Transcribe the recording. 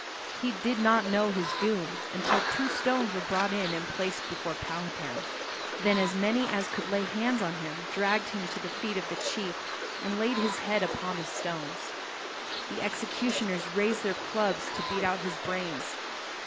He did not know his doom until two stones were brought in and placed before Powhatan. Then as many as could lay hands on him dragged him to the feet of the chief and laid his head upon the stones. The executioners raised their clubs to beat out his brains.